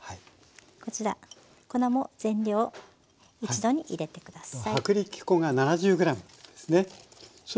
こちら粉も全量一度に入れて下さい。